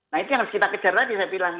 nah itu yang harus kita kejar tadi saya bilang